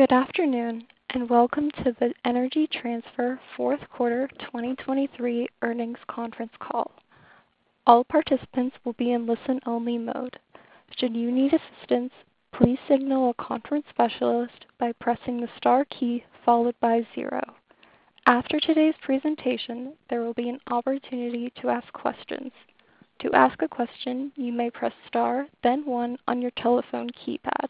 Good afternoon and welcome to the Energy Transfer Fourth Quarter 2023 Earnings Conference Call. All participants will be in listen-only mode. Should you need assistance, please signal a conference specialist by pressing the star key followed by zero. After today's presentation, there will be an opportunity to ask questions. To ask a question, you may press star, then one on your telephone keypad.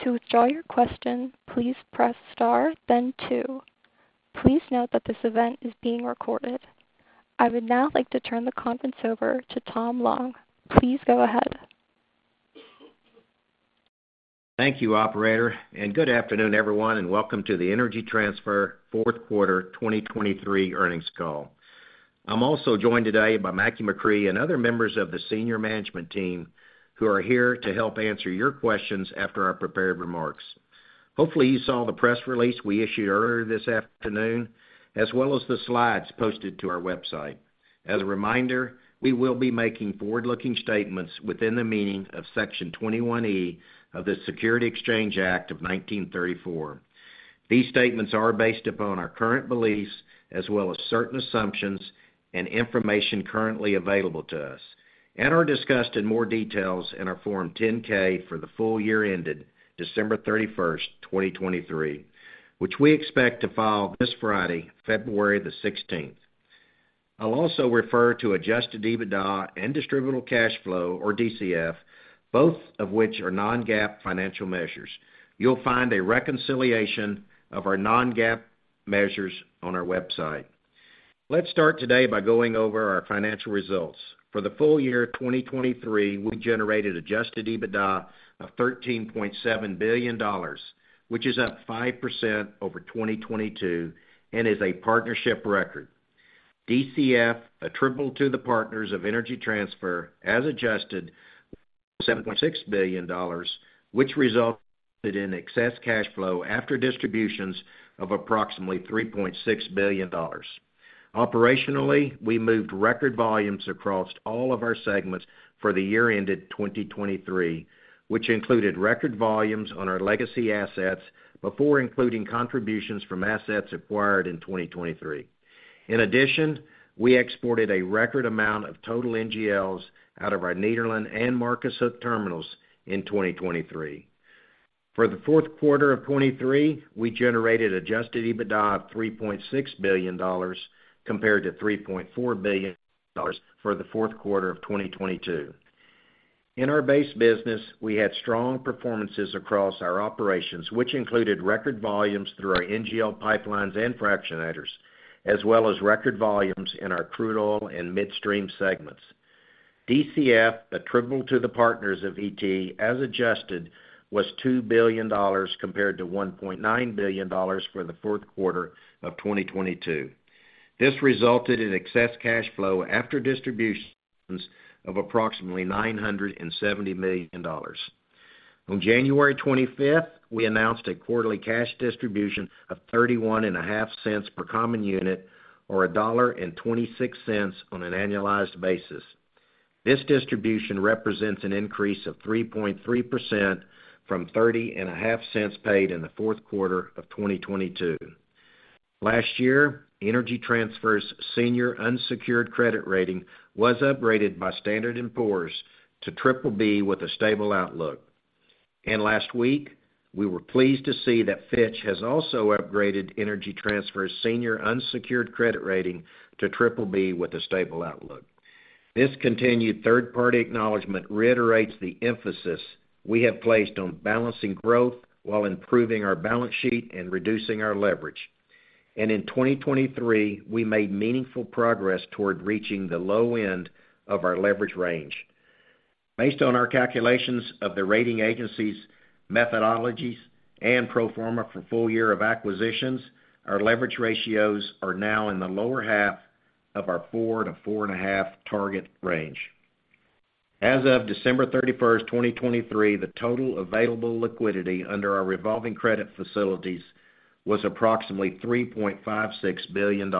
To withdraw your question, please press star, then two. Please note that this event is being recorded. I would now like to turn the conference over to Tom Long. Please go ahead. Thank you, operator, and good afternoon, everyone, and welcome to the Energy Transfer Fourth Quarter 2023 Earnings Call. I'm also joined today by Mackie McCrea and other members of the senior management team who are here to help answer your questions after our prepared remarks. Hopefully, you saw the press release we issued earlier this afternoon as well as the slides posted to our website. As a reminder, we will be making forward-looking statements within the meaning of Section 21E of the Securities Exchange Act of 1934. These statements are based upon our current beliefs as well as certain assumptions and information currently available to us and are discussed in more details in our Form 10-K for the full year ended December 31st, 2023, which we expect to file this Friday, February the 16th. I'll also refer to Adjusted EBITDA and distributable cash flow, or DCF, both of which are non-GAAP financial measures. You'll find a reconciliation of our non-GAAP measures on our website. Let's start today by going over our financial results. For the full year 2023, we generated Adjusted EBITDA of $13.7 billion, which is up 5% over 2022 and is a partnership record. DCF attributable to the partners of Energy Transfer as adjusted was $7.6 billion, which resulted in excess cash flow after distributions of approximately $3.6 billion. Operationally, we moved record volumes across all of our segments for the year ended 2023, which included record volumes on our legacy assets before including contributions from assets acquired in 2023. In addition, we exported a record amount of total NGLs out of our Nederland and Marcus Hook terminals in 2023. For the fourth quarter of 2023, we generated Adjusted EBITDA of $3.6 billion compared to $3.4 billion for the fourth quarter of 2022. In our base business, we had strong performances across our operations, which included record volumes through our NGL pipelines and fractionators, as well as record volumes in our crude oil and midstream segments. DCF attributable to the partners of ET as adjusted was $2 billion compared to $1.9 billion for the fourth quarter of 2022. This resulted in excess cash flow after distributions of approximately $970 million. On January 25th, we announced a quarterly cash distribution of $0.315 per common unit, or $1.26, on an annualized basis. This distribution represents an increase of 3.3% from $0.305 paid in the fourth quarter of 2022. Last year, Energy Transfer's senior unsecured credit rating was upgraded by Standard & Poor's to BBB with a stable outlook. Last week, we were pleased to see that Fitch has also upgraded Energy Transfer's senior unsecured credit rating to BBB with a stable outlook. This continued third-party acknowledgment reiterates the emphasis we have placed on balancing growth while improving our balance sheet and reducing our leverage. In 2023, we made meaningful progress toward reaching the low end of our leverage range. Based on our calculations of the rating agencies' methodologies and pro forma for full year of acquisitions, our leverage ratios are now in the lower half of our 4-4.5 target range. As of December 31st, 2023, the total available liquidity under our revolving credit facilities was approximately $3.56 billion.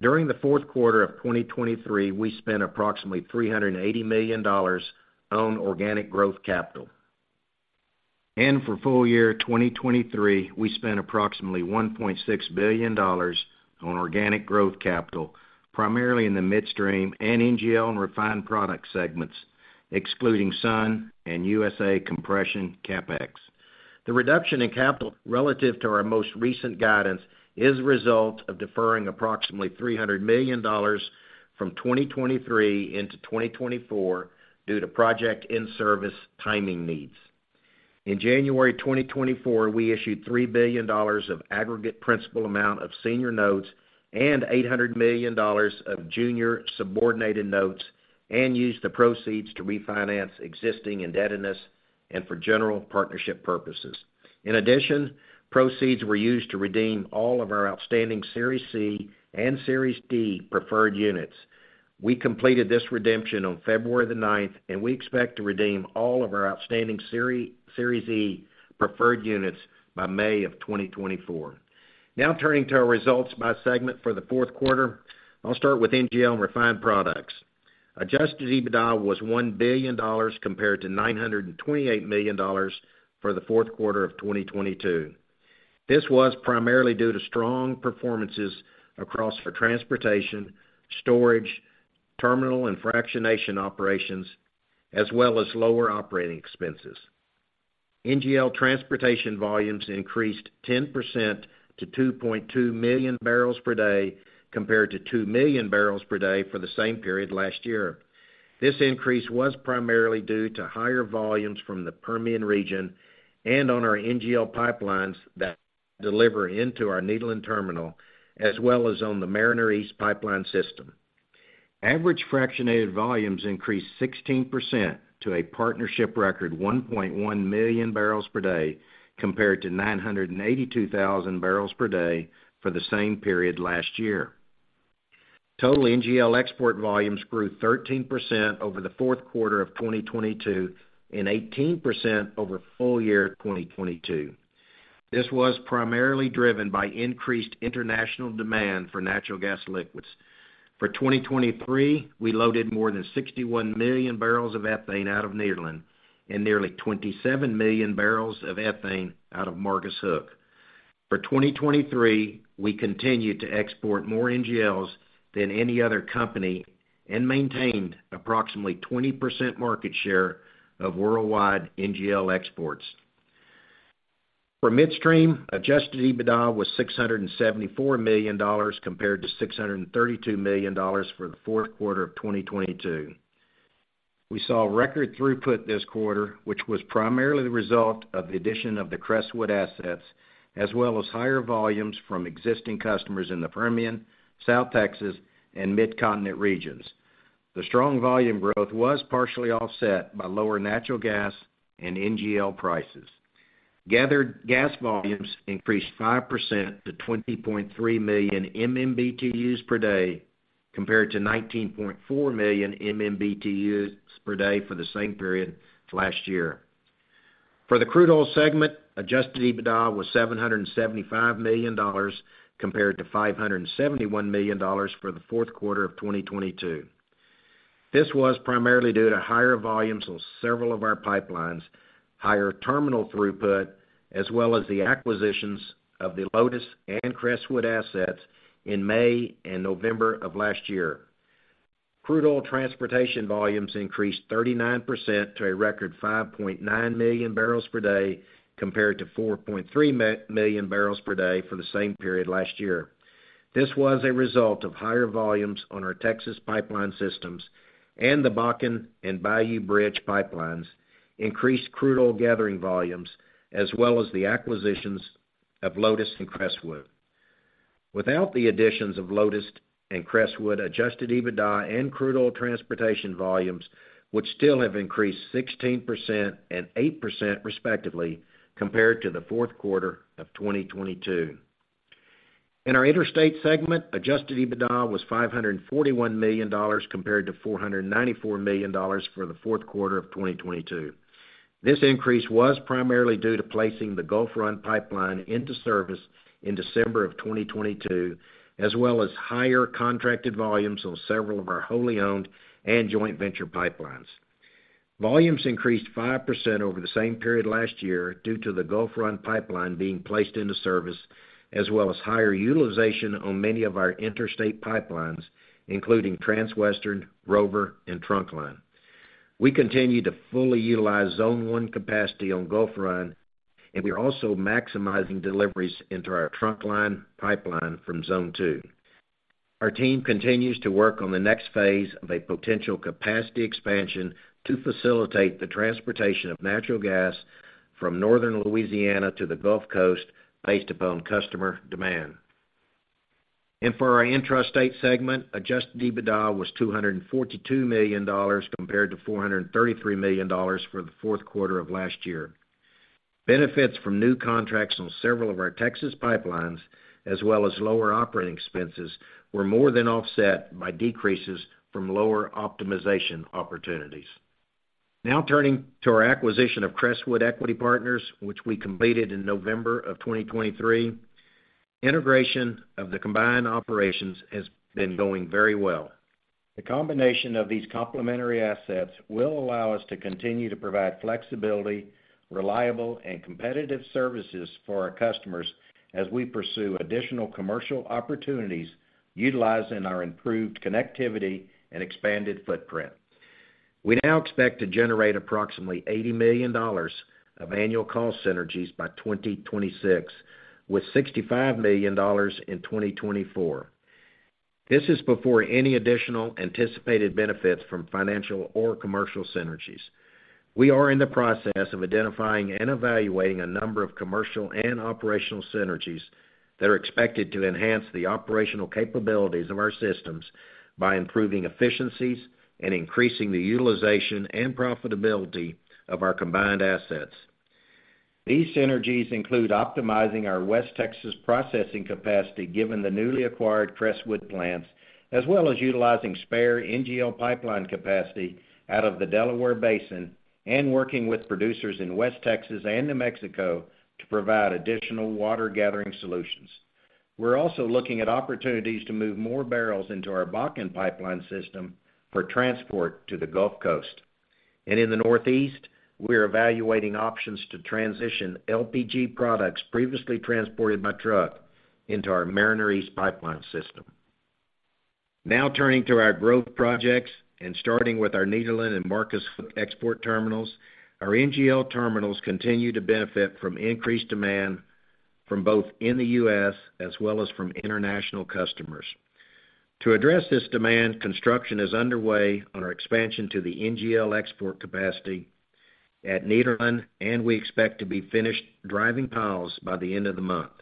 During the fourth quarter of 2023, we spent approximately $380 million on organic growth capital. For full year 2023, we spent approximately $1.6 billion on organic growth capital, primarily in the midstream and NGL and refined product segments, excluding Sun and USA Compression CapEx. The reduction in capital relative to our most recent guidance is a result of deferring approximately $300 million from 2023 into 2024 due to project in-service timing needs. In January 2024, we issued $3 billion of aggregate principal amount of senior notes and $800 million of junior subordinated notes and used the proceeds to refinance existing indebtedness and for general partnership purposes. In addition, proceeds were used to redeem all of our outstanding Series C and Series D preferred units. We completed this redemption on February the 9th, and we expect to redeem all of our outstanding Series E preferred units by May of 2024. Now turning to our results by segment for the fourth quarter, I'll start with NGL and refined products. Adjusted EBITDA was $1 billion compared to $928 million for the fourth quarter of 2022. This was primarily due to strong performances across our transportation, storage, terminal and fractionation operations, as well as lower operating expenses. NGL transportation volumes increased 10% to 2.2 million barrels per day compared to 2 million barrels per day for the same period last year. This increase was primarily due to higher volumes from the Permian region and on our NGL pipelines that deliver into our Nederland Terminal, as well as on the Mariner East Pipeline System. Average fractionated volumes increased 16% to a partnership record 1.1 million barrels per day compared to 982,000 barrels per day for the same period last year. Total NGL export volumes grew 13% over the fourth quarter of 2022 and 18% over full year 2022. This was primarily driven by increased international demand for natural gas liquids. For 2023, we loaded more than 61 million barrels of ethane out of Nederland and nearly 27 million barrels of ethane out of Marcus Hook. For 2023, we continued to export more NGLs than any other company and maintained approximately 20% market share of worldwide NGL exports. For midstream, Adjusted EBITDA was $674 million compared to $632 million for the fourth quarter of 2022. We saw record throughput this quarter, which was primarily the result of the addition of the Crestwood assets, as well as higher volumes from existing customers in the Permian, South Texas, and Mid-Continent regions. The strong volume growth was partially offset by lower natural gas and NGL prices. Gathered gas volumes increased 5% to 20.3 million MMBTUs per day compared to 19.4 million MMBTUs per day for the same period last year. For the crude oil segment, Adjusted EBITDA was $775 million compared to $571 million for the fourth quarter of 2022. This was primarily due to higher volumes on several of our pipelines, higher terminal throughput, as well as the acquisitions of the Lotus and Crestwood assets in May and November of last year. Crude oil transportation volumes increased 39% to a record 5.9 million barrels per day compared to 4.3 million barrels per day for the same period last year. This was a result of higher volumes on our Texas pipeline systems and the Bakken and Bayou Bridge pipelines, increased crude oil gathering volumes, as well as the acquisitions of Lotus and Crestwood. Without the additions of Lotus and Crestwood, Adjusted EBITDA and crude oil transportation volumes would still have increased 16% and 8% respectively compared to the fourth quarter of 2022. In our interstate segment, Adjusted EBITDA was $541 million compared to $494 million for the fourth quarter of 2022. This increase was primarily due to placing the Gulf Run Pipeline into service in December of 2022, as well as higher contracted volumes on several of our wholly owned and joint venture pipelines. Volumes increased 5% over the same period last year due to the Gulf Run Pipeline being placed into service, as well as higher utilization on many of our interstate pipelines, including Transwestern Pipeline, Rover Pipeline, and Trunkline Pipeline. We continue to fully utilize Zone 1 capacity on Gulf Run, and we are also maximizing deliveries into our Trunkline Pipeline from Zone 2. Our team continues to work on the next phase of a potential capacity expansion to facilitate the transportation of natural gas from northern Louisiana to the Gulf Coast based upon customer demand. For our intrastate segment, Adjusted EBITDA was $242 million compared to $433 million for the fourth quarter of last year. Benefits from new contracts on several of our Texas pipelines, as well as lower operating expenses, were more than offset by decreases from lower optimization opportunities. Now turning to our acquisition of Crestwood Equity Partners, which we completed in November of 2023, integration of the combined operations has been going very well. The combination of these complementary assets will allow us to continue to provide flexibility, reliable, and competitive services for our customers as we pursue additional commercial opportunities utilizing our improved connectivity and expanded footprint. We now expect to generate approximately $80 million of annual cost synergies by 2026, with $65 million in 2024. This is before any additional anticipated benefits from financial or commercial synergies. We are in the process of identifying and evaluating a number of commercial and operational synergies that are expected to enhance the operational capabilities of our systems by improving efficiencies and increasing the utilization and profitability of our combined assets. These synergies include optimizing our West Texas processing capacity given the newly acquired Crestwood plants, as well as utilizing spare NGL pipeline capacity out of the Delaware Basin and working with producers in West Texas and New Mexico to provide additional water gathering solutions. We're also looking at opportunities to move more barrels into our Bakken pipeline system for transport to the Gulf Coast. In the Northeast, we are evaluating options to transition LPG products previously transported by truck into our Mariner East Pipeline System. Now turning to our growth projects and starting with our Nederland and Marcus Hook export terminals, our NGL terminals continue to benefit from increased demand from both in the U.S. as well as from international customers. To address this demand, construction is underway on our expansion to the NGL export capacity at Nederland, and we expect to be finished driving piles by the end of the month.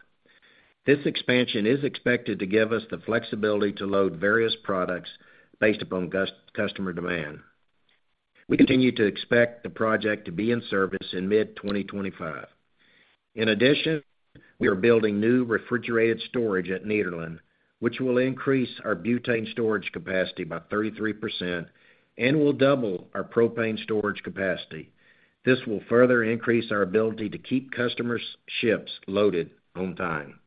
This expansion is expected to give us the flexibility to load various products based upon customer demand. We continue to expect the project to be in service in mid-2025. In addition, we are building new refrigerated storage at Nederland, which will increase our butane storage capacity by 33% and will double our propane storage capacity. This will further increase our ability to keep customers' ships loaded on time.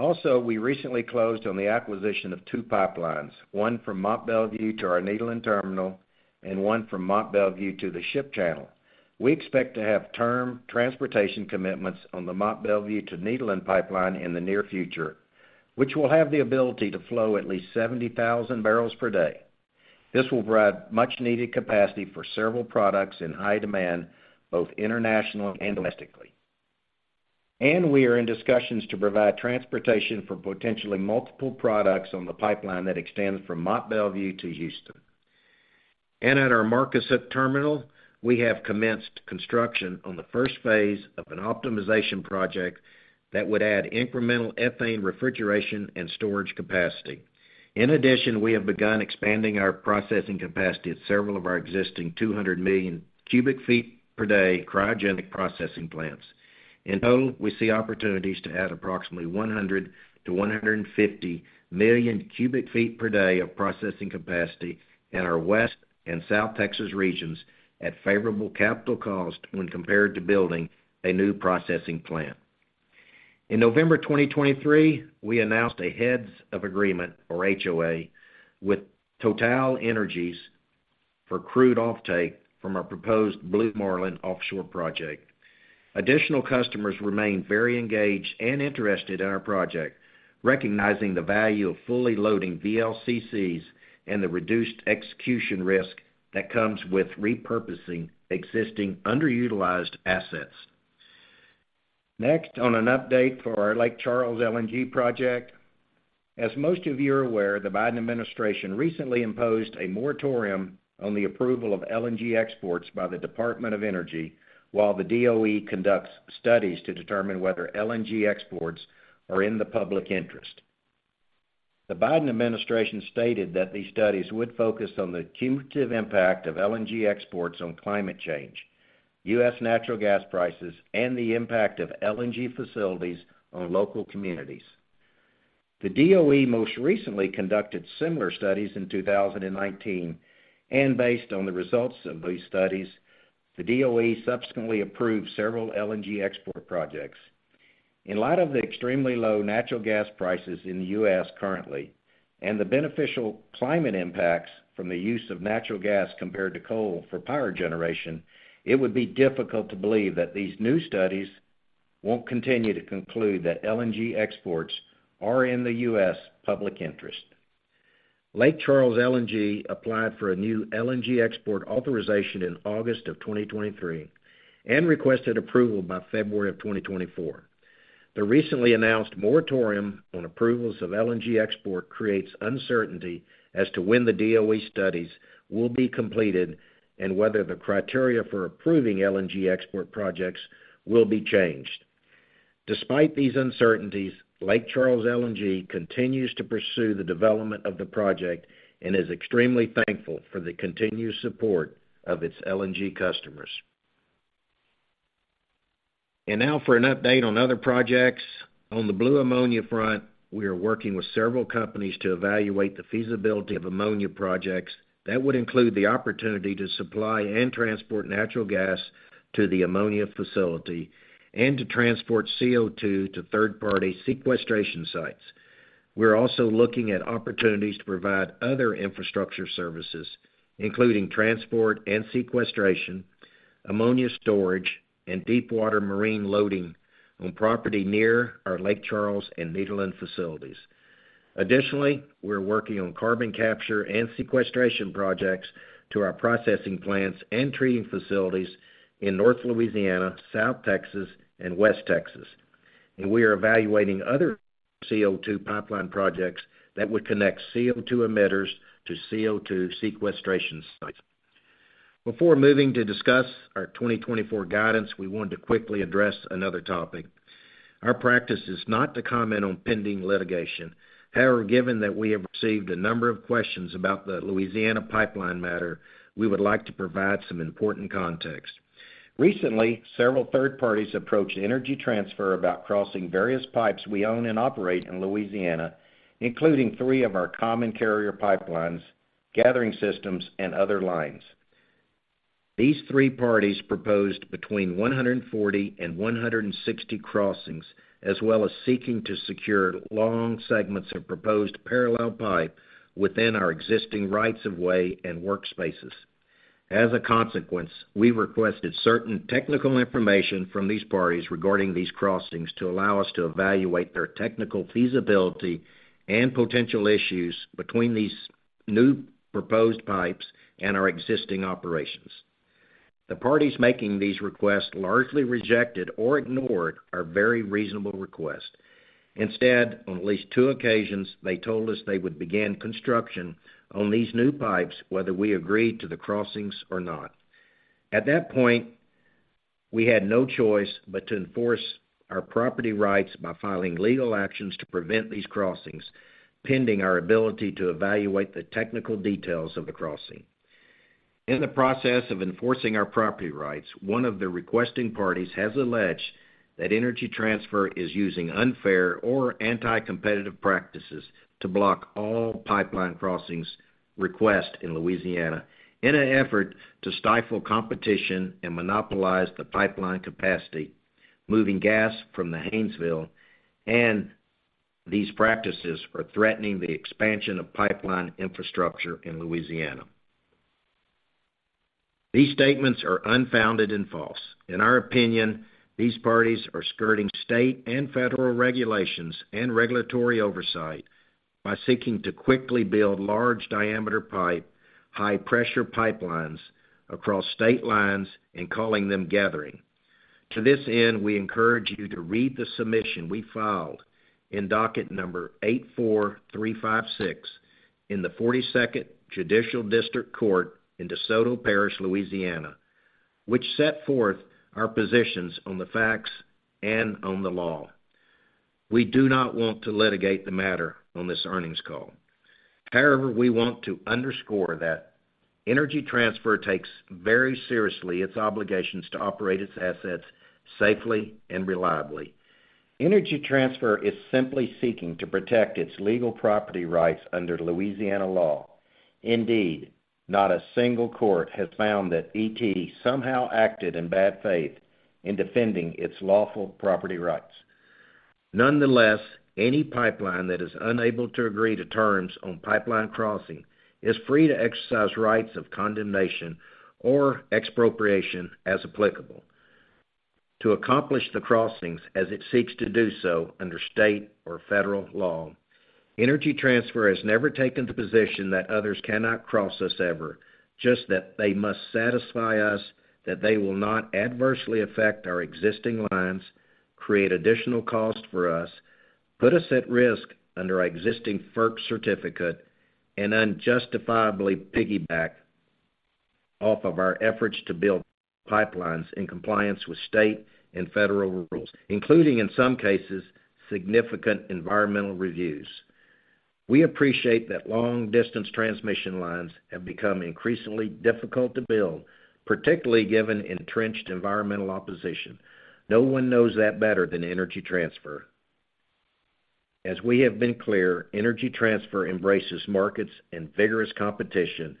Also, we recently closed on the acquisition of two pipelines, one from Mont Belvieu to our Nederland Terminal and one from Mont Belvieu to the Ship Channel. We expect to have term transportation commitments on the Mont Belvieu to Nederland Terminal pipeline in the near future, which will have the ability to flow at least 70,000 barrels per day. This will provide much-needed capacity for several products in high demand, both internationally and domestically. We are in discussions to provide transportation for potentially multiple products on the pipeline that extends from Mont Belvieu to Houston. At our Marcus Hook Terminal, we have commenced construction on the first phase of an optimization project that would add incremental ethane refrigeration and storage capacity. In addition, we have begun expanding our processing capacity at several of our existing 200 million cubic feet per day cryogenic processing plants. In total, we see opportunities to add approximately 100-150 million cubic feet per day of processing capacity in our West and South Texas regions at favorable capital cost when compared to building a new processing plant. In November 2023, we announced a heads of agreement, or HOA, with TotalEnergies for crude offtake from our proposed Blue Marlin offshore project. Additional customers remain very engaged and interested in our project, recognizing the value of fully loading VLCCs and the reduced execution risk that comes with repurposing existing underutilized assets. Next, on an update for our Lake Charles LNG project, as most of you are aware, the Biden administration recently imposed a moratorium on the approval of LNG exports by the Department of Energy while the DOE conducts studies to determine whether LNG exports are in the public interest. The Biden administration stated that these studies would focus on the cumulative impact of LNG exports on climate change, U.S. natural gas prices, and the impact of LNG facilities on local communities. The DOE most recently conducted similar studies in 2019, and based on the results of these studies, the DOE subsequently approved several LNG export projects. In light of the extremely low natural gas prices in the U.S. currently and the beneficial climate impacts from the use of natural gas compared to coal for power generation, it would be difficult to believe that these new studies won't continue to conclude that LNG exports are in the U.S. public interest. Lake Charles LNG applied for a new LNG export authorization in August of 2023 and requested approval by February of 2024. The recently announced moratorium on approvals of LNG export creates uncertainty as to when the DOE studies will be completed and whether the criteria for approving LNG export projects will be changed. Despite these uncertainties, Lake Charles LNG continues to pursue the development of the project and is extremely thankful for the continued support of its LNG customers. And now for an update on other projects. On the blue ammonia front, we are working with several companies to evaluate the feasibility of ammonia projects that would include the opportunity to supply and transport natural gas to the ammonia facility and to transport CO2 to third-party sequestration sites. We're also looking at opportunities to provide other infrastructure services, including transport and sequestration, ammonia storage, and deepwater marine loading on property near our Lake Charles and Nederland facilities. Additionally, we're working on carbon capture and sequestration projects to our processing plants and treating facilities in North Louisiana, South Texas, and West Texas. And we are evaluating other CO2 pipeline projects that would connect CO2 emitters to CO2 sequestration sites. Before moving to discuss our 2024 guidance, we wanted to quickly address another topic. Our practice is not to comment on pending litigation. However, given that we have received a number of questions about the Louisiana pipeline matter, we would like to provide some important context. Recently, several third parties approached Energy Transfer about crossing various pipes we own and operate in Louisiana, including three of our common carrier pipelines, gathering systems, and other lines. These three parties proposed between 140-160 crossings, as well as seeking to secure long segments of proposed parallel pipe within our existing rights of way and workspaces. As a consequence, we requested certain technical information from these parties regarding these crossings to allow us to evaluate their technical feasibility and potential issues between these new proposed pipes and our existing operations. The parties making these requests largely rejected or ignored our very reasonable request. Instead, on at least two occasions, they told us they would begin construction on these new pipes, whether we agreed to the crossings or not. At that point, we had no choice but to enforce our property rights by filing legal actions to prevent these crossings, pending our ability to evaluate the technical details of the crossing. In the process of enforcing our property rights, one of the requesting parties has alleged that Energy Transfer is using unfair or anti-competitive practices to block all pipeline crossings requests in Louisiana in an effort to stifle competition and monopolize the pipeline capacity, moving gas from the Haynesville, and these practices are threatening the expansion of pipeline infrastructure in Louisiana. These statements are unfounded and false. In our opinion, these parties are skirting state and federal regulations and regulatory oversight by seeking to quickly build large-diameter pipe, high-pressure pipelines across state lines and calling them gathering. To this end, we encourage you to read the submission we filed in docket number 84356 in the 42nd Judicial District Court in DeSoto Parish, Louisiana, which set forth our positions on the facts and on the law. We do not want to litigate the matter on this earnings call. However, we want to underscore that Energy Transfer takes very seriously its obligations to operate its assets safely and reliably. Energy Transfer is simply seeking to protect its legal property rights under Louisiana law. Indeed, not a single court has found that ET somehow acted in bad faith in defending its lawful property rights. Nonetheless, any pipeline that is unable to agree to terms on pipeline crossing is free to exercise rights of condemnation or expropriation as applicable. To accomplish the crossings as it seeks to do so under state or federal law, Energy Transfer has never taken the position that others cannot cross us ever, just that they must satisfy us that they will not adversely affect our existing lines, create additional costs for us, put us at risk under our existing FERC certificate, and unjustifiably piggyback off of our efforts to build pipelines in compliance with state and federal rules, including in some cases significant environmental reviews. We appreciate that long-distance transmission lines have become increasingly difficult to build, particularly given entrenched environmental opposition. No one knows that better than Energy Transfer. As we have been clear, Energy Transfer embraces markets and vigorous competition,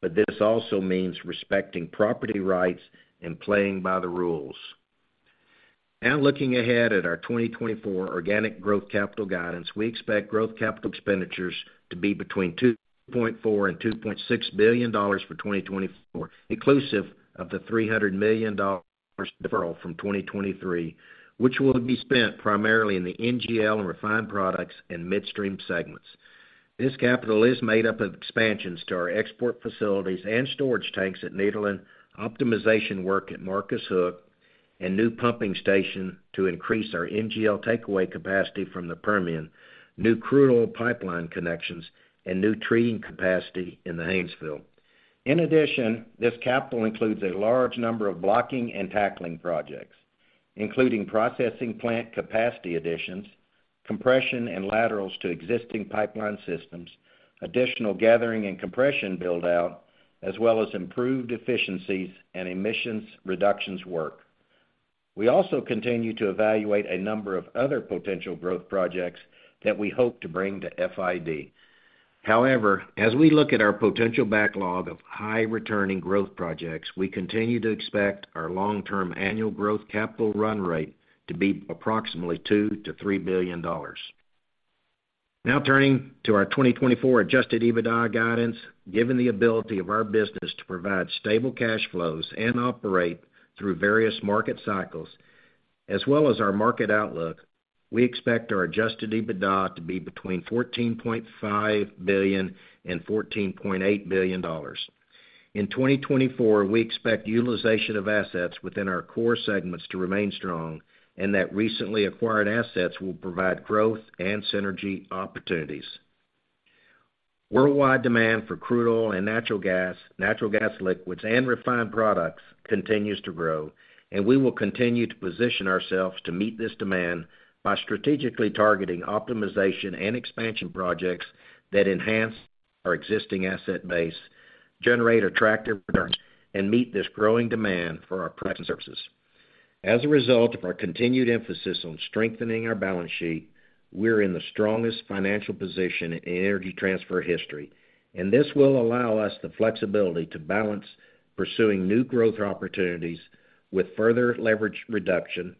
but this also means respecting property rights and playing by the rules. Now, looking ahead at our 2024 organic growth capital guidance, we expect growth capital expenditures to be between $2.4 and $2.6 billion for 2024, inclusive of the $300 million deferral from 2023, which will be spent primarily in the NGL and refined products and midstream segments. This capital is made up of expansions to our export facilities and storage tanks at Nederland, optimization work at Marcus Hook, and new pumping station to increase our NGL takeaway capacity from the Permian, new crude oil pipeline connections, and new treating capacity in the Haynesville. In addition, this capital includes a large number of blocking and tackling projects, including processing plant capacity additions, compression and laterals to existing pipeline systems, additional gathering and compression buildout, as well as improved efficiencies and emissions reductions work. We also continue to evaluate a number of other potential growth projects that we hope to bring to FID. However, as we look at our potential backlog of high-returning growth projects, we continue to expect our long-term annual growth capital run rate to be approximately $2-$3 billion. Now, turning to our 2024 Adjusted EBITDA guidance, given the ability of our business to provide stable cash flows and operate through various market cycles, as well as our market outlook, we expect our Adjusted EBITDA to be between $14.5 billion and $14.8 billion. In 2024, we expect utilization of assets within our core segments to remain strong and that recently acquired assets will provide growth and synergy opportunities. Worldwide demand for crude oil and natural gas, natural gas liquids, and refined products continues to grow, and we will continue to position ourselves to meet this demand by strategically targeting optimization and expansion projects that enhance our existing asset base, generate attractive returns, and meet this growing demand for our products and services. As a result of our continued emphasis on strengthening our balance sheet, we're in the strongest financial position in Energy Transfer history, and this will allow us the flexibility to balance pursuing new growth opportunities with further leverage reduction,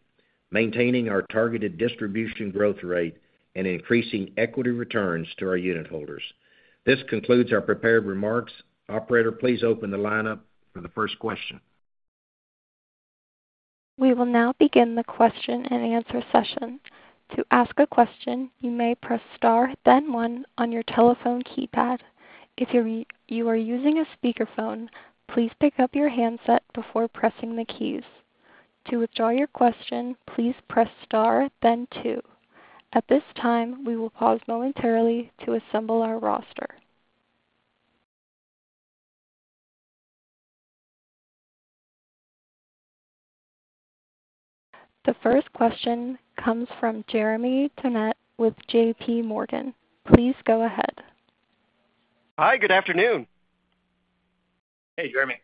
maintaining our targeted distribution growth rate, and increasing equity returns to our unit holders. This concludes our prepared remarks. Operator, please open the lineup for the first question. We will now begin the question and answer session. To ask a question, you may press star, then one on your telephone keypad. If you are using a speakerphone, please pick up your handset before pressing the keys. To withdraw your question, please press star, then two. At this time, we will pause momentarily to assemble our roster. The first question comes from Jeremy Tonet with J.P. Morgan. Please go ahead. Hi, good afternoon. Hey, Jeremy.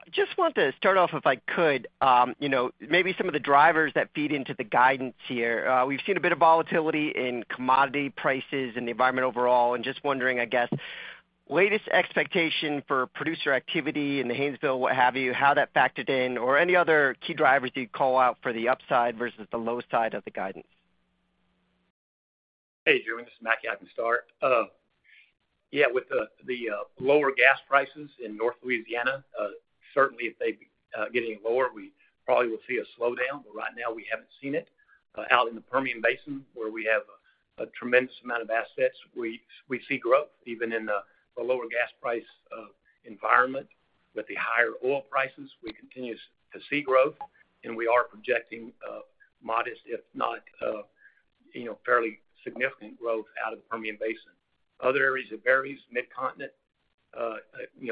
I just want to start off if I could, maybe some of the drivers that feed into the guidance here. We've seen a bit of volatility in commodity prices and the environment overall, and just wondering, I guess, latest expectation for producer activity in the Haynesville, what have you, how that factored in, or any other key drivers you'd call out for the upside versus the low side of the guidance. Hey, Jeremy, this is Mackie. I can start. Yeah, with the lower gas prices in North Louisiana, certainly if they get any lower, we probably will see a slowdown, but right now we haven't seen it. Out in the Permian Basin, where we have a tremendous amount of assets, we see growth, even in the lower gas price environment. With the higher oil prices, we continue to see growth, and we are projecting modest, if not fairly significant growth out of the Permian Basin. Other areas it varies, Mid-Continent,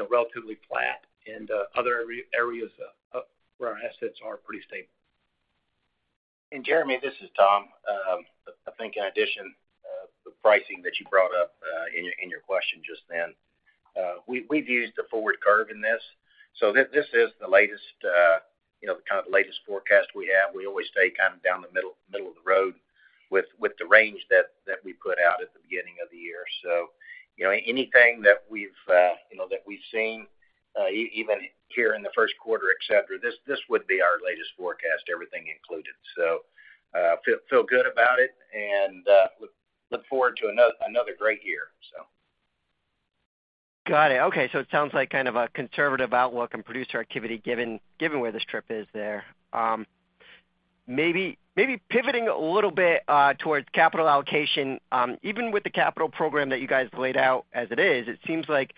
relatively flat, and other areas where our assets are pretty stable. And Jeremy, this is Tom. I think in addition, the pricing that you brought up in your question just then, we've used the forward curve in this. So this is the latest, the kind of latest forecast we have. We always stay kind of down the middle of the road with the range that we put out at the beginning of the year. So anything that we've seen, even here in the first quarter, etc., this would be our latest forecast, everything included. So feel good about it and look forward to another great year, so. Got it. Okay. So it sounds like kind of a conservative outlook and producer activity given where this trip is there. Maybe pivoting a little bit towards capital allocation, even with the capital program that you guys laid out as it is, it seems like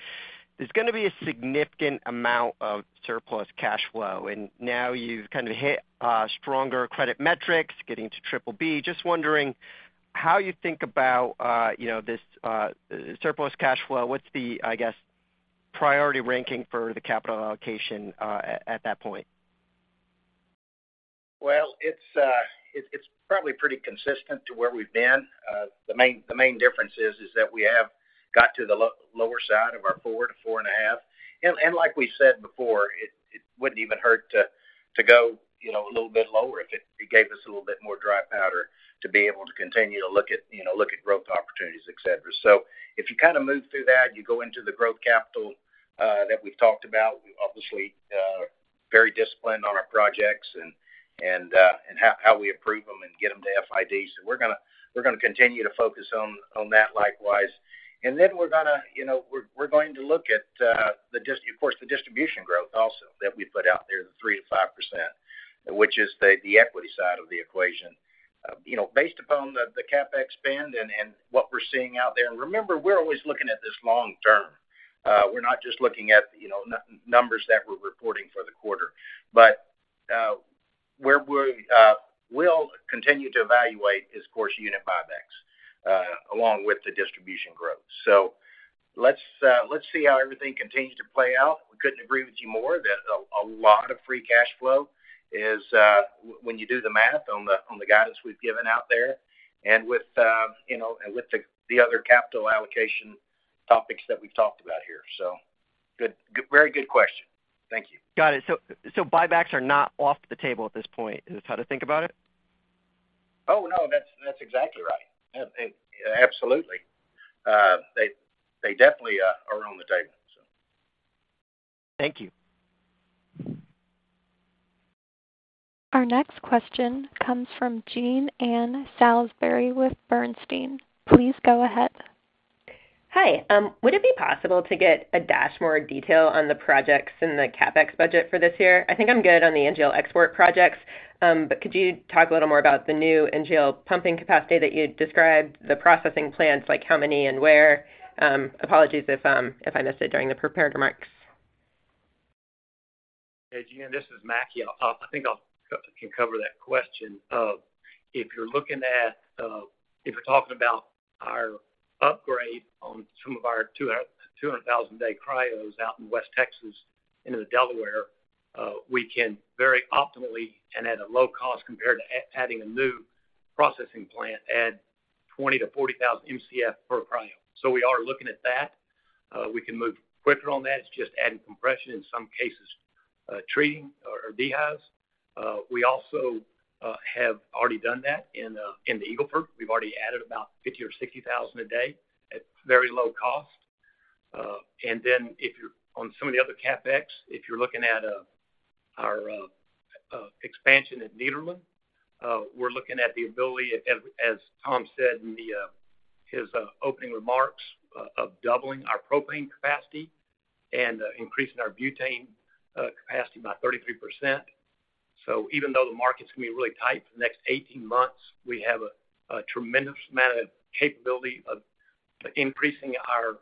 there's going to be a significant amount of surplus cash flow. And now you've kind of hit stronger credit metrics, getting to triple B. Just wondering how you think about this surplus cash flow. What's the, I guess, priority ranking for the capital allocation at that point? Well, it's probably pretty consistent to where we've been. The main difference is that we have got to the lower side of our 4-4.5. And like we said before, it wouldn't even hurt to go a little bit lower if it gave us a little bit more dry powder to be able to continue to look at growth opportunities, etc. So if you kind of move through that, you go into the growth capital that we've talked about. We're obviously very disciplined on our projects and how we approve them and get them to FID. So we're going to continue to focus on that likewise. And then we're going to look at, of course, the distribution growth also that we put out there, the 3%-5%, which is the equity side of the equation. Based upon the CapEx spend and what we're seeing out there, and remember, we're always looking at this long-term. We're not just looking at numbers that we're reporting for the quarter. But where we'll continue to evaluate is, of course, unit buybacks along with the distribution growth. So let's see how everything continues to play out. We couldn't agree with you more that a lot of free cash flow is when you do the math on the guidance we've given out there and with the other capital allocation topics that we've talked about here. So very good question. Thank you. Got it. So buybacks are not off the table at this point, is that how to think about it? Oh, no, that's exactly right. Absolutely. They definitely are on the table, so. Thank you. Our next question comes from Jean Ann Salisbury with Bernstein. Please go ahead. Hi. Would it be possible to get a dash more detail on the projects in the CapEx budget for this year? I think I'm good on the NGL export projects, but could you talk a little more about the new NGL pumping capacity that you described, the processing plants, how many and where? Apologies if I missed it during the prepared remarks. Hey, Jean, this is Mackie. I think I can cover that question. If you're looking at, if you're talking about our upgrade on some of our 200,000-day cryos out in West Texas into the Delaware, we can very optimally and at a low cost compared to adding a new processing plant, add 20-40 thousand MCF per cryo. So we are looking at that. We can move quicker on that. It's just adding compression, in some cases, treating or dehys. We also have already done that in the Eagle Ford. We've already added about 50,000 or 60,000 a day at very low cost. And then on some of the other CapEx, if you're looking at our expansion at Nederland, we're looking at the ability, as Tom said in his opening remarks, of doubling our propane capacity and increasing our butane capacity by 33%. So even though the market's going to be really tight for the next 18 months, we have a tremendous amount of capability of increasing our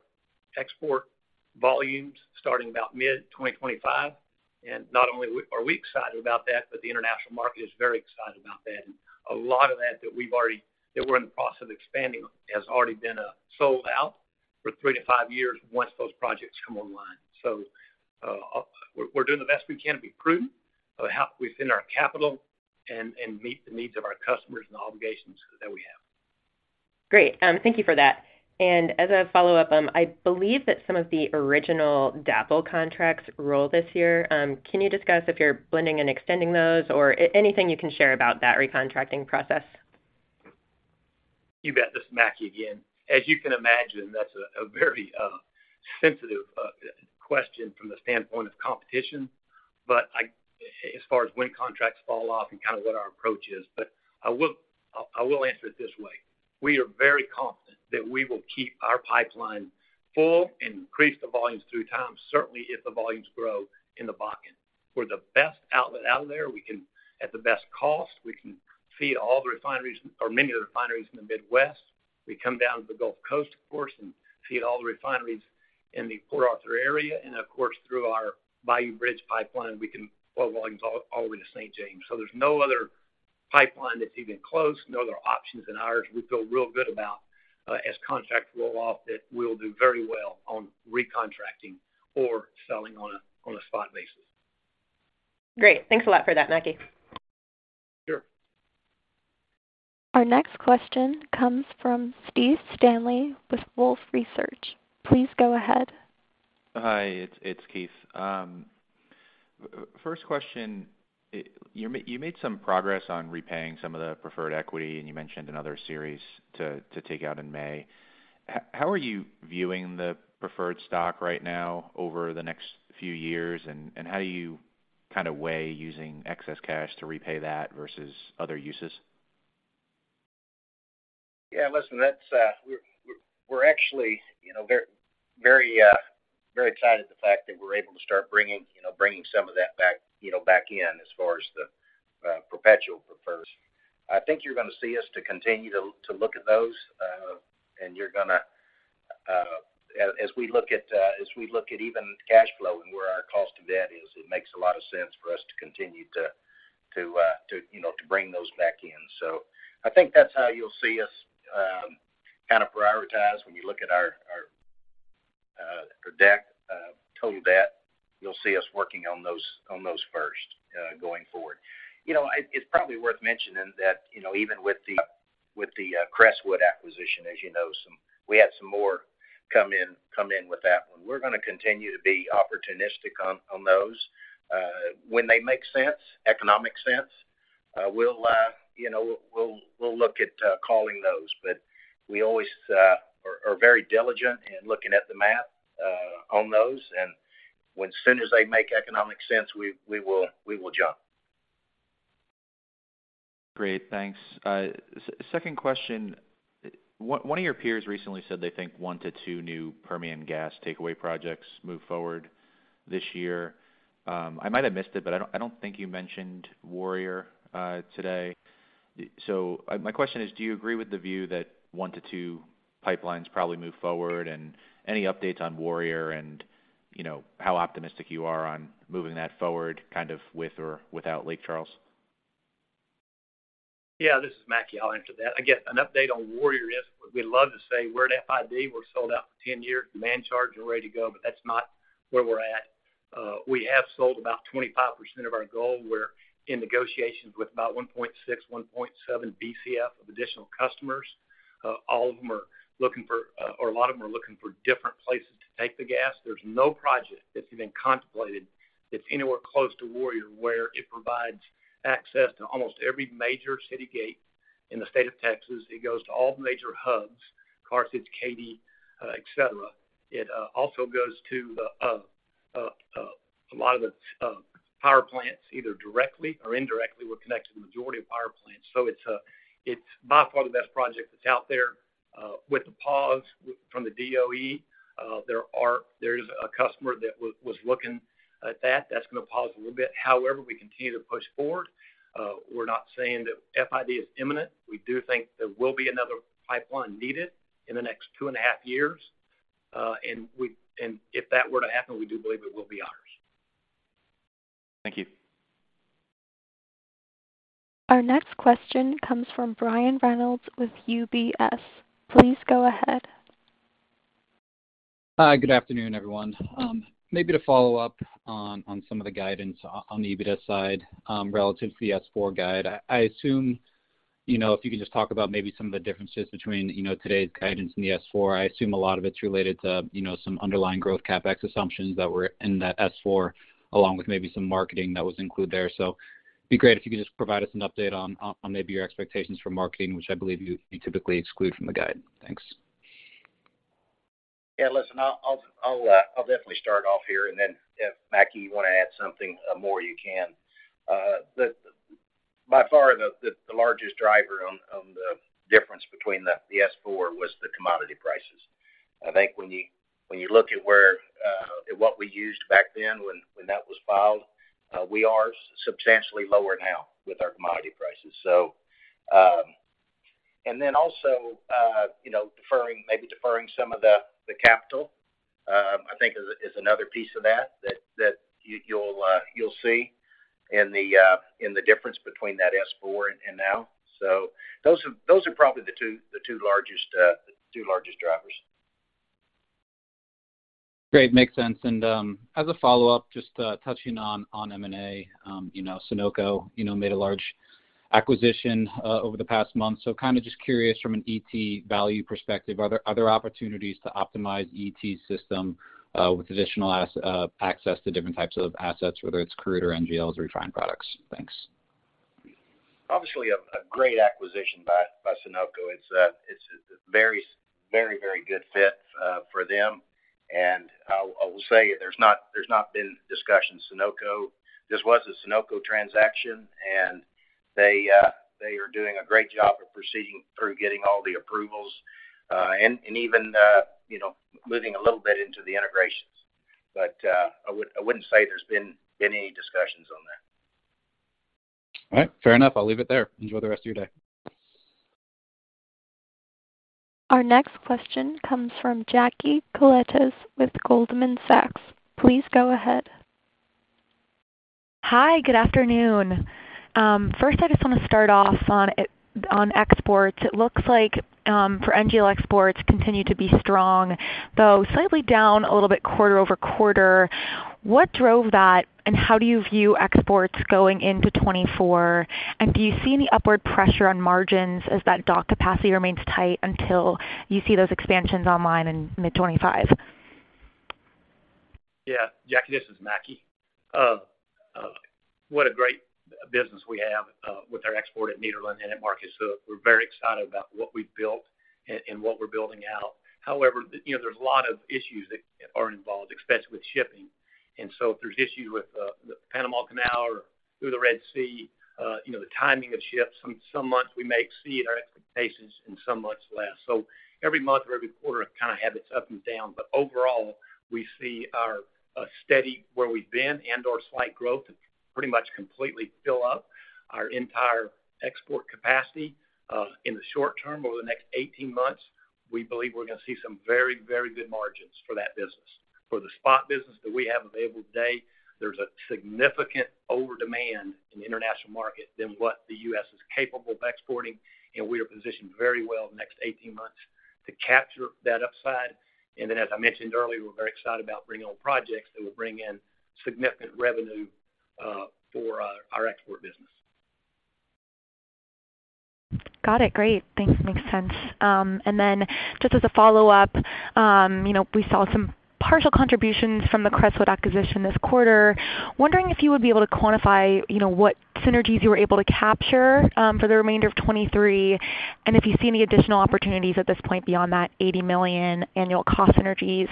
export volumes starting about mid-2025. And not only are we excited about that, but the international market is very excited about that. And a lot of that that we're in the process of expanding has already been sold out for 3-5 years once those projects come online. So we're doing the best we can to be prudent within our capital and meet the needs of our customers and the obligations that we have. Great. Thank you for that. And as a follow-up, I believe that some of the original DAPL contracts rolled this year. Can you discuss if you're blending and extending those or anything you can share about that recontracting process? You bet. This is Mackie again. As you can imagine, that's a very sensitive question from the standpoint of competition, as far as when contracts fall off and kind of what our approach is. But I will answer it this way. We are very confident that we will keep our pipeline full and increase the volumes through time, certainly if the volumes grow in the Bakken. We're the best outlet out there. At the best cost, we can feed all the refineries or many of the refineries in the Midwest. We come down to the Gulf Coast, of course, and feed all the refineries in the Port Arthur area. And of course, through our Bayou Bridge Pipeline, we can pull volumes all the way to St. James. So there's no other pipeline that's even close, no other options than ours we feel real good about as contracts roll off that we'll do very well on recontracting or selling on a spot basis. Great. Thanks a lot for that, Mackie. Sure. Our next question comes from Keith Stanley with Wolfe Research. Please go ahead. Hi, it's Keith. First question, you made some progress on repaying some of the preferred equity, and you mentioned another series to take out in May. How are you viewing the preferred stock right now over the next few years, and how do you kind of weigh using excess cash to repay that versus other uses? Yeah, listen, we're actually very excited at the fact that we're able to start bringing some of that back in as far as the perpetual preferred. I think you're going to see us continue to look at those, and as we look at even cash flow and where our cost of debt is, it makes a lot of sense for us to continue to bring those back in. So I think that's how you'll see us kind of prioritize. When you look at our total debt, you'll see us working on those first going forward. It's probably worth mentioning that even with. Up with the Crestwood acquisition, as you know, we had some more come in with that one. We're going to continue to be opportunistic on those. When they make sense, economic sense, we'll look at calling those. But we always are very diligent in looking at the math on those, and as soon as they make economic sense, we will jump. Great. Thanks. Second question, one of your peers recently said they think 1-2 new Permian gas takeaway projects move forward this year. I might have missed it, but I don't think you mentioned Warrior today. So my question is, do you agree with the view that 1-2 pipelines probably move forward, and any updates on Warrior and how optimistic you are on moving that forward kind of with or without Lake Charles? Yeah, this is Mackie. I'll answer that. I guess an update on Warrior is we'd love to say we're at FID. We're sold out for 10 years, demand charged, and ready to go, but that's not where we're at. We have sold about 25% of our goal. We're in negotiations with about 1.6-1.7 BCF of additional customers. All of them are looking for or a lot of them are looking for different places to take the gas. There's no project that's even contemplated that's anywhere close to Warrior where it provides access to almost every major city gate in the state of Texas. It goes to all the major hubs, Carthage, Katy, etc. It also goes to a lot of the power plants either directly or indirectly. We're connected to the majority of power plants. So it's by far the best project that's out there. With the pause from the DOE, there is a customer that was looking at that. That's going to pause a little bit. However, we continue to push forward. We're not saying that FID is imminent. We do think there will be another pipeline needed in the next 2.5 years. And if that were to happen, we do believe it will be ours. Thank you. Our next question comes from Brian Reynolds with UBS. Please go ahead. Hi, good afternoon, everyone. Maybe to follow up on some of the guidance on the UBS side relative to the S-4 guide, I assume if you can just talk about maybe some of the differences between today's guidance and the S-4, I assume a lot of it's related to some underlying growth CapEx assumptions that were in that S-4 along with maybe some marketing that was included there. So it'd be great if you could just provide us an update on maybe your expectations for marketing, which I believe you typically exclude from the guide. Thanks. Yeah, listen, I'll definitely start off here, and then if Mackie, you want to add something more, you can. By far, the largest driver on the difference between the S-4 was the commodity prices. I think when you look at what we used back then when that was filed, we are substantially lower now with our commodity prices. And then also maybe deferring some of the capital, I think, is another piece of that that you'll see in the difference between that S-4 and now. So those are probably the two largest drivers. Great. Makes sense. And as a follow-up, just touching on M&A, Sunoco made a large acquisition over the past month. So kind of just curious from an ET value perspective, are there other opportunities to optimize ET's system with additional access to different types of assets, whether it's crude or NGLs or refined products? Thanks. Obviously, a great acquisition by Sunoco. It's a very, very, very good fit for them. And I will say there's not been discussion. This was a Sunoco transaction, and they are doing a great job of proceeding through getting all the approvals and even moving a little bit into the integrations. But I wouldn't say there's been any discussions on that. All right. Fair enough. I'll leave it there. Enjoy the rest of your day. Our next question comes from Jackie Koletas with Goldman Sachs. Please go ahead. Hi, good afternoon. First, I just want to start off on exports. It looks like for NGL exports continue to be strong, though slightly down a little bit quarter-over-quarter. What drove that, and how do you view exports going into 2024? And do you see any upward pressure on margins as that dock capacity remains tight until you see those expansions online in mid-2025? Yeah. Jackie, this is Mackie. What a great business we have with our export at Nederland and at Marcus Hook. We're very excited about what we've built and what we're building out. However, there's a lot of issues that are involved, especially with shipping. And so if there's issues with the Panama Canal or through the Red Sea, the timing of ships, some months we may exceed our expectations and some months less. So every month or every quarter, it kind of happens up and down. But overall, we see a steady where we've been and/or slight growth to pretty much completely fill up our entire export capacity. In the short term, over the next 18 months, we believe we're going to see some very, very good margins for that business. For the spot business that we have available today, there's a significant over-demand in the international market than what the U.S. is capable of exporting, and we are positioned very well the next 18 months to capture that upside. And then, as I mentioned earlier, we're very excited about bringing on projects that will bring in significant revenue for our export business. Got it. Great. Thanks. Makes sense. And then just as a follow-up, we saw some partial contributions from the Crestwood acquisition this quarter. Wondering if you would be able to quantify what synergies you were able to capture for the remainder of 2023 and if you see any additional opportunities at this point beyond that $80 million annual cost synergies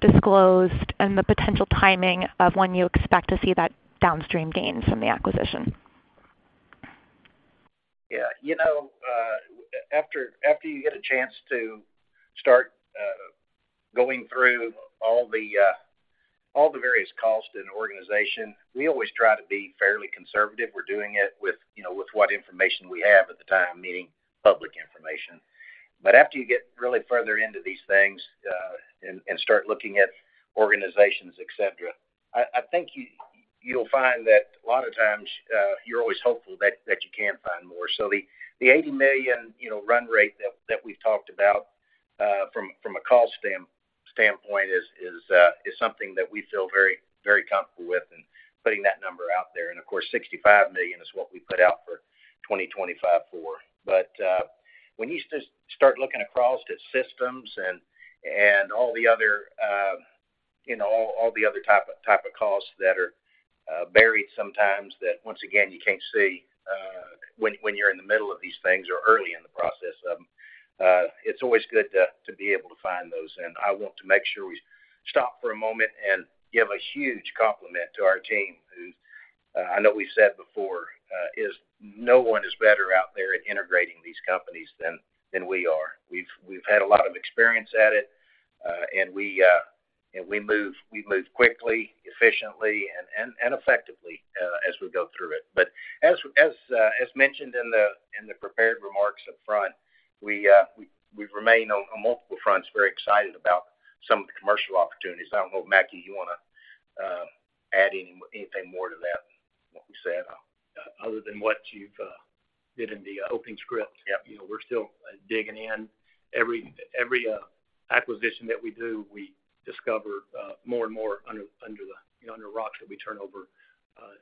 disclosed and the potential timing of when you expect to see that downstream gain from the acquisition. Yeah. After you get a chance to start going through all the various costs in an organization, we always try to be fairly conservative. We're doing it with what information we have at the time, meaning public information. But after you get really further into these things and start looking at organizations, etc., I think you'll find that a lot of times, you're always hopeful that you can find more. So the $80 million run rate that we've talked about from a cost standpoint is something that we feel very, very comfortable with in putting that number out there. And of course, $65 million is what we put out for 2024-2025. But when you start looking across to systems and all the other all the other type of costs that are buried sometimes that, once again, you can't see when you're in the middle of these things or early in the process of them, it's always good to be able to find those. And I want to make sure we stop for a moment and give a huge compliment to our team who, I know we've said before, no one is better out there at integrating these companies than we are. We've had a lot of experience at it, and we move quickly, efficiently, and effectively as we go through it. But as mentioned in the prepared remarks upfront, we remain on multiple fronts very excited about some of the commercial opportunities. I don't know if, Mackie, you want to add anything more to that, what we said. Other than what you've did in the opening script, we're still digging in. Every acquisition that we do, we discover more and more under the rocks that we turn over.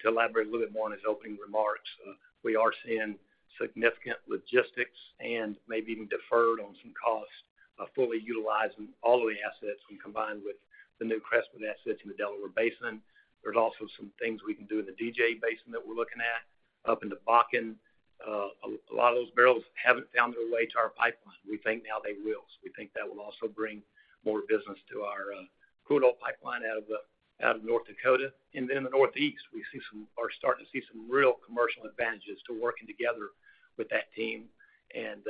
To elaborate a little bit more on his opening remarks, we are seeing significant logistics and maybe even deferrals on some costs fully utilizing all of the assets and combined with the new Crestwood assets in the Delaware Basin. There's also some things we can do in the DJ Basin that we're looking at up into Bakken. A lot of those barrels haven't found their way to our pipeline. We think now they will. We think that will also bring more business to our crude oil pipeline out of North Dakota. And then in the Northeast, we are starting to see some real commercial advantages to working together with that team and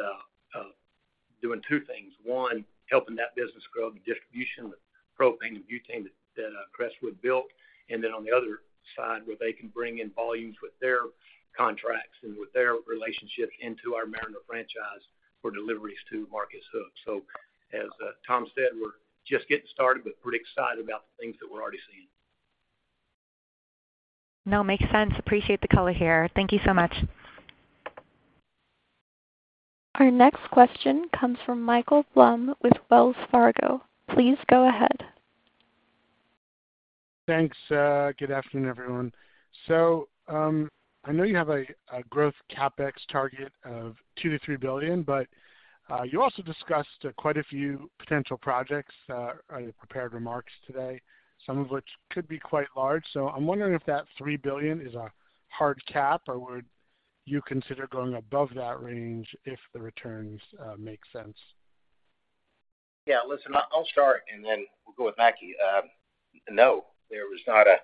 doing two things. One, helping that business grow, the distribution of propane and butane that Crestwood built. And then on the other side, where they can bring in volumes with their contracts and with their relationships into our Mariner franchise for deliveries to Marcus Hook. So as Tom said, we're just getting started, but pretty excited about the things that we're already seeing. No, makes sense. Appreciate the color here. Thank you so much. Our next question comes from Michael Blum with Wells Fargo. Please go ahead. Thanks. Good afternoon, everyone. So I know you have a growth CapEx target of $2 billion-$3 billion, but you also discussed quite a few potential projects in your prepared remarks today, some of which could be quite large. So I'm wondering if that $3 billion is a hard cap or would you consider going above that range if the returns make sense? Yeah. Listen, I'll start, and then we'll go with Mackie. No, there's not a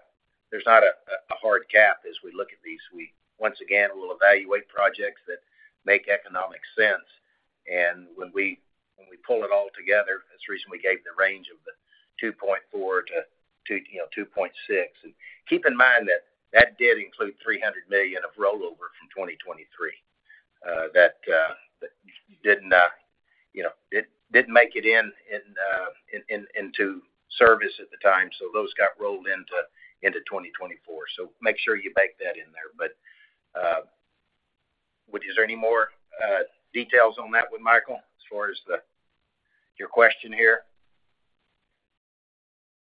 hard cap as we look at these. We, once again, will evaluate projects that make economic sense. And when we pull it all together, that's the reason we gave the range of the $2.4 billion-$2.6 billion. And keep in mind that that did include $300 million of rollover from 2023 that didn't make it into service at the time. So those got rolled into 2024. So make sure you bake that in there. But is there any more details on that with Michael as far as your question here?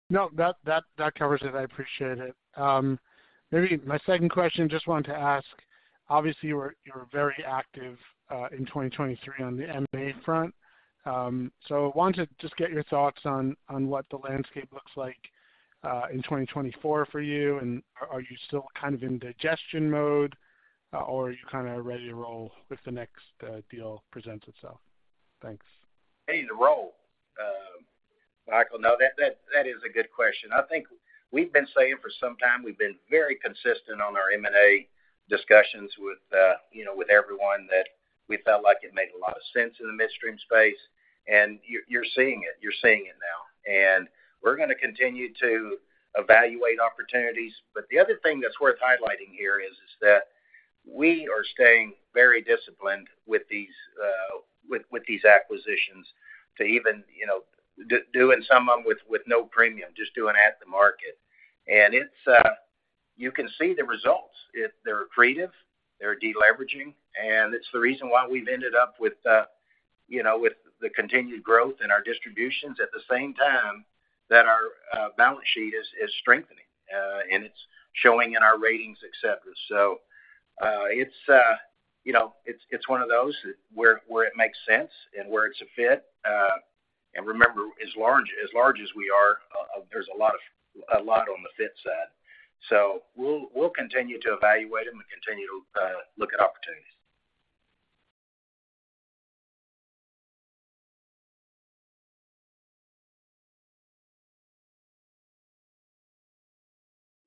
No, that covers it. I appreciate it. Maybe my second question, just wanted to ask, obviously, you were very active in 2023 on the M&A front. So I wanted to just get your thoughts on what the landscape looks like in 2024 for you. And are you still kind of in digestion mode, or are you kind of ready to roll if the next deal presents itself? Thanks. Ready to roll, Michael. No, that is a good question. I think we've been saying for some time, we've been very consistent on our M&A discussions with everyone that we felt like it made a lot of sense in the midstream space. And you're seeing it. You're seeing it now. And we're going to continue to evaluate opportunities. But the other thing that's worth highlighting here is that we are staying very disciplined with these acquisitions to even doing some of them with no premium, just doing at the market. And you can see the results. They're creative. They're deleveraging. And it's the reason why we've ended up with the continued growth in our distributions at the same time that our balance sheet is strengthening, and it's showing in our ratings, etc. So it's one of those where it makes sense and where it's a fit. And remember, as large as we are, there's a lot on the fit side. So we'll continue to evaluate them and continue to look at opportunities.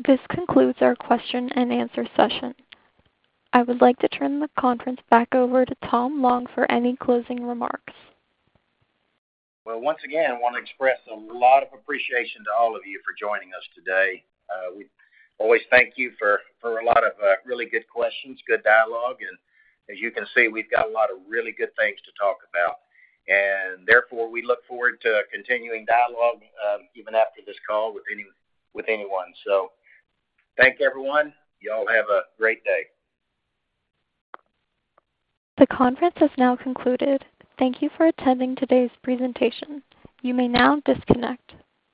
This concludes our question and answer session. I would like to turn the conference back over to Tom Long for any closing remarks. Well, once again, I want to express a lot of appreciation to all of you for joining us today. We always thank you for a lot of really good questions, good dialogue. And as you can see, we've got a lot of really good things to talk about. Therefore, we look forward to continuing dialogue even after this call with anyone. Thank everyone. You all have a great day. The conference has now concluded. Thank you for attending today's presentation. You may now disconnect.